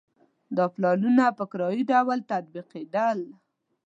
دا پلانونه په کرایي ډول تطبیقېدل.